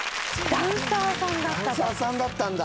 ダンサーさんだったんだ。